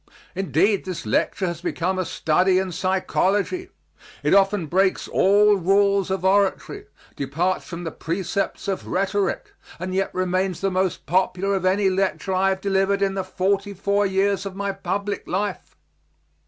Indeed, this lecture has become a study in psychology; it often breaks all rules of oratory, departs from the precepts of rhetoric, and yet remains the most popular of any lecture I have delivered in the forty four years of my public life.